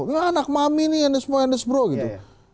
nggak anak mami nih yang ada semua yang ada semua gitu